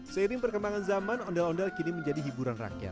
seiring perkembangan zaman ondel ondel kini menjadi hiburan rakyat